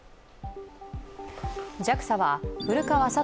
ＪＡＸＡは古川聡